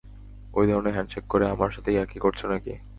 ওই ধরণের হ্যান্ডশেক করে আমার সাথে ইয়ার্কি করছ নাকি?